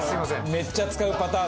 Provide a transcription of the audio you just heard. めっちゃ使うパターンだ。